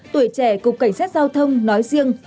tuổi trẻ cục cảnh sát giao thông nói riêng